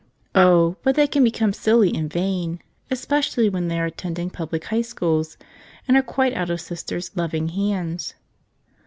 Oh, but they can become silly and vain, especially when they are attending public High Schools and are quite out of Sister's loving hands.